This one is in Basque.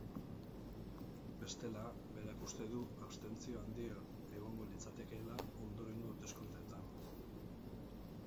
Bestela, berak uste du abstentzio handia egongo litzatekeela ondorengo hauteskundeetan.